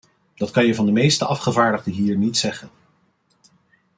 Dat kan je van de meeste afgevaardigden hier niet zeggen.